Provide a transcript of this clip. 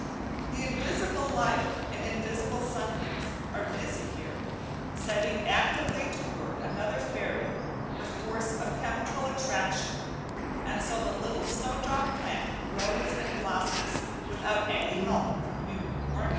The invisible life and invisible sunbeams are busy here, setting actively to work another fairy, the force of "chemical attraction," and so the little snowdrop plant grows and blossoms, without any help from you or me.